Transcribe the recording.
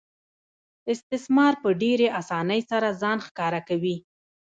استثمار په ډېرې اسانۍ سره ځان ښکاره کوي